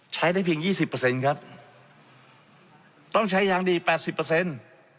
ใช้ได้เพียงยี่สิบเปอร์เซ็นต์ครับต้องใช้ยางดีแปดสิบเปอร์เซ็นต์